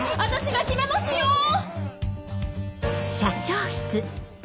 私が決めますよ！